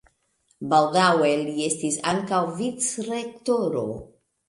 Baldaŭe li estis ankaŭ vicrektoro.